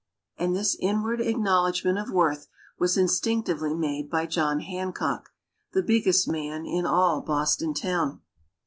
And this inward acknowledgment of worth was instinctively made by John Hancock, the biggest man in all Boston town.